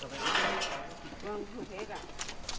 ขอบคุณครับ